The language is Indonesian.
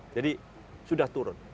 jadi sudah turun